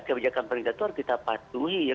kebijakan pemerintah itu harus kita patuhi ya